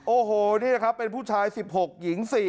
โอ้โหนี่แหละครับเป็นผู้ชาย๑๖หญิง๔